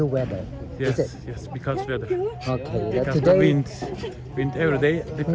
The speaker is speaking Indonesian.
huan setiap hari berbeda